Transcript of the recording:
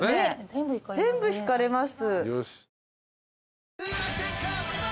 全部引かれます。